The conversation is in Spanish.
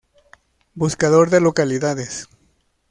Buscador de Localidades.